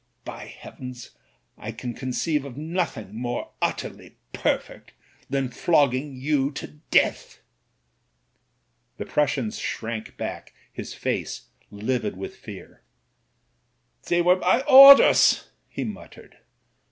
By heavens! I can conceive of nothing more utterly per fect than flogging you to death." » The Prussian shrank back, his face livid with fear. "They were my orders," he muttered.